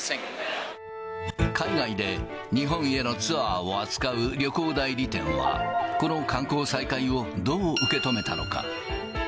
海外で、日本へのツアーを扱う旅行代理店は、この観光再開をどう受け止めたのか。